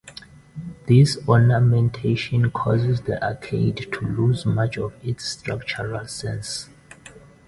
This ornamentation causes the arcade to lose much of its structural sense.